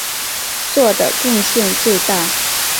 做的贡献最大。